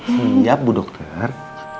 siap bu dokter